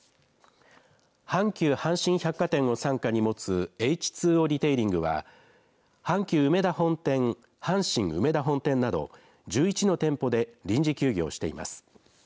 阪急阪神百貨店を傘下に持つエイチ・ツー・オーリテイリングでは、阪急うめだ本店、阪神梅田本店など、１１の店舗で臨時休業しています。